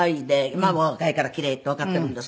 まあまあ若いから奇麗ってわかっているんですけど。